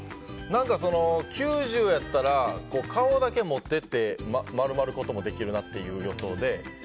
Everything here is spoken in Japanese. ９０度やったら顔だけ持ってって丸まることもできるなという予想で。